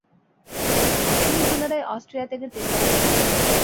তিনি পুনরায় অস্ট্রিয়া ত্যাগের চেষ্টা করবেন না।